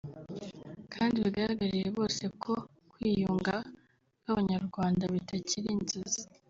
kandi bigaragarire bose ko kwiyunga k’Abanyarwanda bitakiri inzozi